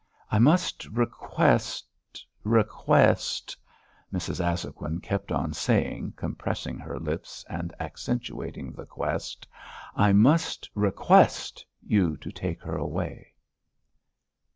"I must request ... request ..." Mrs. Azhoguin kept on saying, compressing her lips and accentuating the quest. "I must request you to take her away."